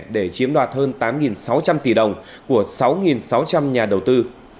để chiếm đoạt hơn tám sáu trăm linh tỷ đồng của sáu sáu trăm linh nhà đầu tư